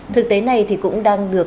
thực tế này thì cũng đang được